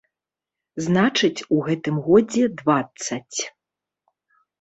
Значыць, у гэтым годзе дваццаць.